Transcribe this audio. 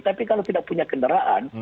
tapi kalau tidak punya kendaraan